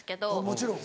もちろん。